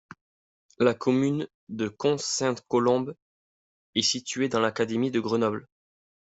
La commune de Cons-Sainte-Colombe est située dans l'académie de Grenoble.